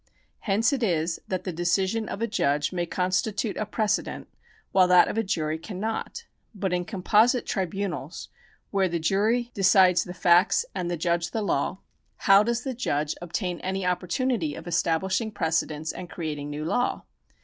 Hence it is that the decision of a judge may constitute a precedent, while that of a jury cannot. But in composite tribunals, where the jury decides 1 Holmes, The Common Law, p. 35. § 69] PRECEDENT 177 the facts and the judge the law, how does the judge obtain any opportunity of establishing precedents and creating new law